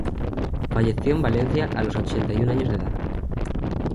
Falleció en Valencia a los ochenta y un años de edad.